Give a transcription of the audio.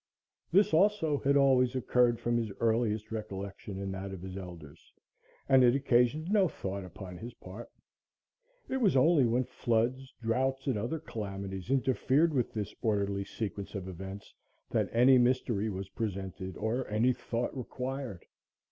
This, also, had always occurred from his earliest recollection and that of his elders, and it occasioned no thought upon his part. It was only when floods, drouths and other calamities interfered with this orderly sequence of events that any mystery was presented or any thought required.